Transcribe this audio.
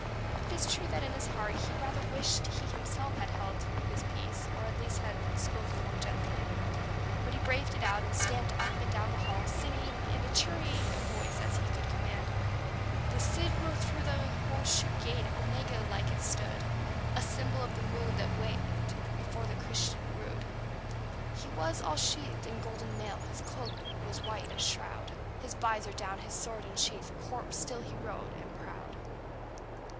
It is true that in his heart he rather wished he himself had held his peace, or at least had spoken more gently; but he braved it out, and stamped up and down the hall, singing, in as cheery a voice as he could command, "The Cid rode through the horse shoe gate, Omega like it stood, A symbol of the moon that waned before the Christian rood. He was all sheathed in golden mail, his cloak was white as shroud: His vizor down, his sword unsheathed, corpse still he rode, and proud."